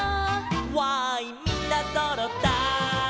「わーいみんなそろったい」